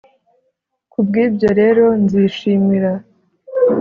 Ku bw ibyo rero nzishimira